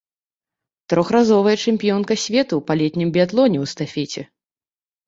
Трохразовая чэмпіёнка свету па летнім біятлоне ў эстафеце.